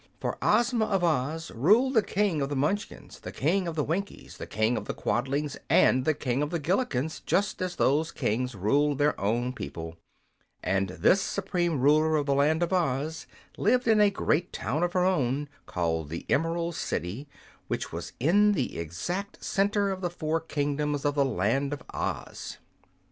For Ozma of Oz ruled the King of the Munchkins, the King of the Winkies, the King of the Quadlings and the King of the Gillikins just as those kings ruled their own people; and this supreme ruler of the Land of Oz lived in a great town of her own, called the Emerald City, which was in the exact center of the four kingdoms of the Land of Oz.